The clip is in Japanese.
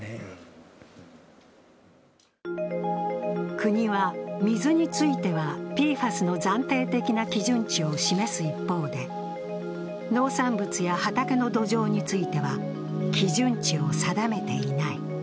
国は、水についてはＰＦＡＳの暫定的な基準値を示す一方で、農産物や畑の土壌については基準値を定めていない。